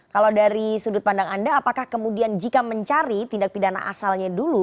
kalau dari sudut pandang anda apakah kemudian jika mencari tindak pidana asalnya dulu